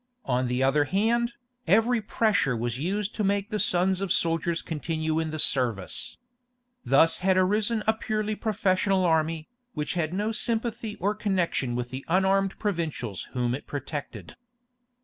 On the other hand, every pressure was used to make the sons of soldiers continue in the service. Thus had arisen a purely professional army, which had no sympathy or connection with the unarmed provincials whom it protected.